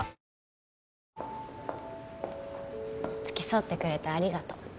付き添ってくれてありがと